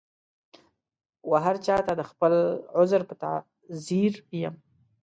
وهرچا ته د خپل عذر په تعذیر یم